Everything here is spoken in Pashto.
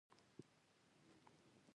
تر دې نو بیا لوی منکر او مفسد نشته.